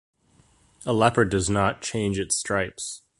A leopard does not change its stripes.